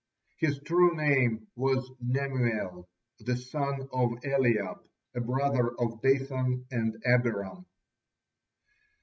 His true name was Nemuel, the son of Eliab, a brother of Dathan and Abiram.